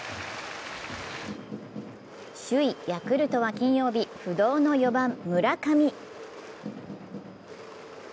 首位・ヤクルトは金曜日不動の４番・村上。